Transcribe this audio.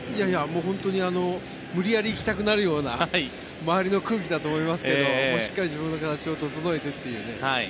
本当に無理やり行きたくなるような周りの空気だと思いますけどしっかり自分の形を整えてという。